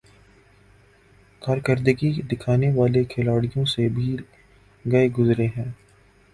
۔کارکردگی دکھانے والے کھلاڑیوں سے بھی گئے گزرے ہیں ۔